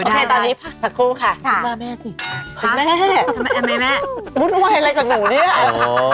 โอเคตอนนี้พักสักครู่ค่ะมาแม่สิค่ะแม่บุ๊นไหวอะไรกับหนูเนี่ยอ๋อ